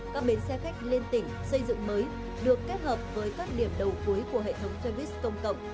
các bến xe khách liên tỉnh xây dựng mới được kết hợp với các điểm đầu cuối của hệ thống xe buýt công cộng